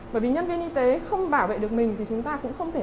bởi vì nhân viên y tế không bảo vệ được mình thì chúng ta cũng không thể